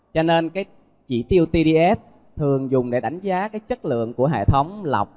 cho nên chỉ tiêu tds thường dùng để đánh giá chất lượng của hệ thống lọc